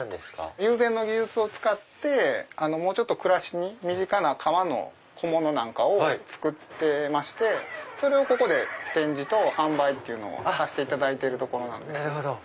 友禅の技術を使ってもうちょっと暮らしに身近な革の小物なんかを作ってましてそれを展示と販売っていうのをさしていただいてる所なんです。